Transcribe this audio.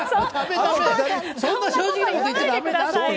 そんな正直なこと言っちゃだめだよ。